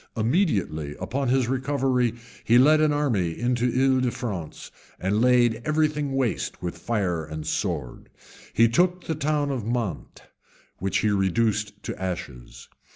Immediately on his recovery, he led an army into L'Isle de France, and laid every thing waste with fire and sword. He took the town of Mante, which he reduced to ashes.